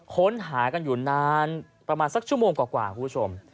ค้นหากันอยู่นานประมาณสักชั่วโมงกว่าคุณผู้ชม